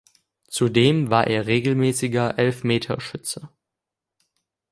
Zudem war er regelmäßiger Elfmeterschütze.